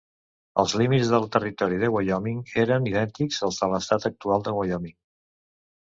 Els límits del territori de Wyoming eren idèntics a l'estat actual de Wyoming.